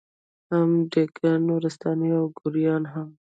هم دېګان، نورستاني او ګوریان هم